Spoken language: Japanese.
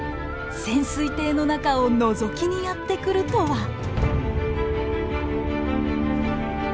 潜水艇の中をのぞきにやって来るとは。